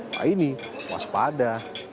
nah ini waspada